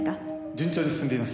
「順調に進んでいます」